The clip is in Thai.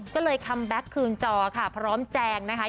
ก็เลยคัมแบ็คคืนจอค่ะพร้อมแจงนะคะ